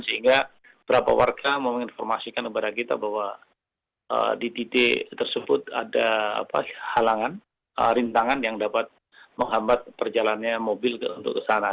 sehingga beberapa warga menginformasikan kepada kita bahwa di titik tersebut ada halangan rintangan yang dapat menghambat perjalannya mobil untuk ke sana